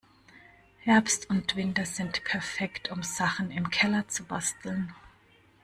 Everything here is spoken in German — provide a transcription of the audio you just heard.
Herbst und Winter sind perfekt, um Sachen im Keller zu basteln.